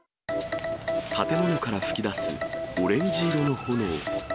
建物から噴き出すオレンジ色の炎。